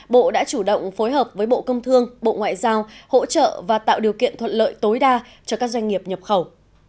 bộ đã chủ động phối hợp với bộ công thương bộ ngoại giao hỗ trợ và tạo điều kiện thuận lợi tối đa cho các doanh nghiệp nhập khẩu